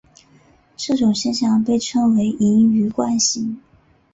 这种现象被称为盈余惯性。